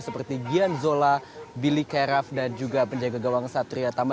seperti gian zola billy keraf dan juga penjaga gawang satria tama